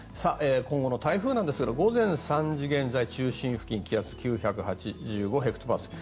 今後の台風ですが午前３時現在、中心付近の気圧は９８５ヘクトパスカル。